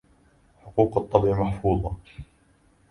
حقوق الطبع محفوظة